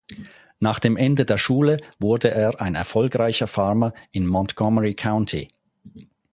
Nach dem Ende der Schule wurde er ein erfolgreicher Farmer im Montgomery County.